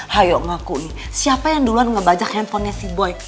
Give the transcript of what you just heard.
hayo ngaku nih siapa yang duluan ngebajak handphonenya si boy